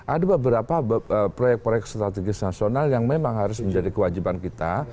ada beberapa proyek proyek strategis nasional yang memang harus menjadi kewajiban kita